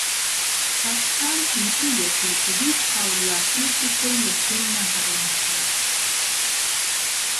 پاکستان ووتویەتی کە هیچ هاوڵاتیەکی خۆی لە چین ناگەڕێنێتەوە.